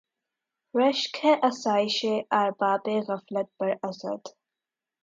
رشک ہے آسایشِ اربابِ غفلت پر اسد!